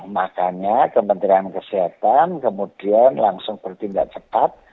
makanya kementerian kesehatan kemudian langsung bertindak cepat